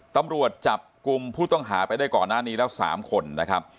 ตำรวจจับกลุ่มผู้ต้องหาไปได้ก่อนหน้านี้แล้ว๓คนนะครับ